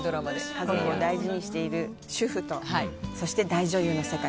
家族を大事にしている主婦と大女優の世界。